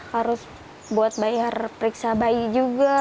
harus buat bayar periksa bayi juga